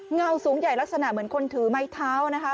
เงาสูงใหญ่ลักษณะเหมือนคนถือไม้เท้านะคะ